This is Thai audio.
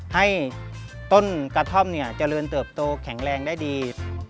ให้ต้นกระท่อมเจริญเติบโตแข็งแรงได้ดี